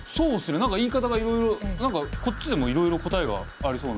何か言い方がいろいろ何かこっちでもいろいろ答えがありそうな。